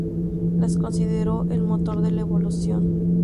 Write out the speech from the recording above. Las consideró el motor de la evolución.